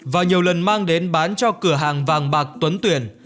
và nhiều lần mang đến bán cho cửa hàng vàng bạc tuấn tuyền